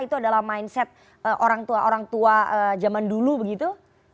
itu adalah mindset orang tua zaman dulu begitu